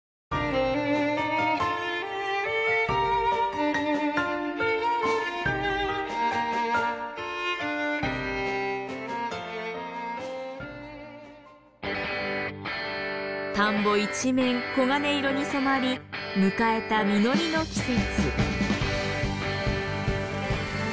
メロメロ田んぼ一面黄金色に染まり迎えた実りの季節。